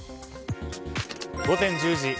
午前１０時。